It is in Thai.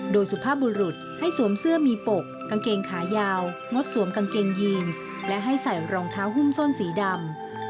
โดยสุภาพบุรุษให้สวมเสื้อมีปกกางเกงขายาวงดสวมกางเกงยีนและให้ใส่รองเท้าหุ้มส้นสีดำ